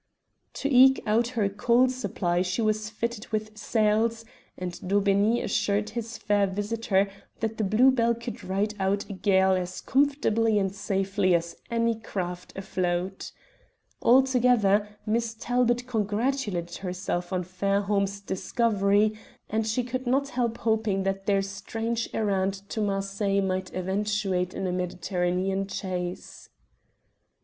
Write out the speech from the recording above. To eke out her coal supply she was fitted with sails, and Daubeney assured his fair visitor that the Blue Bell could ride out a gale as comfortably and safely as any craft afloat. Altogether Miss Talbot congratulated herself on Fairholme's discovery, and she could not help hoping that their strange errand to Marseilles might eventuate in a Mediterranean chase.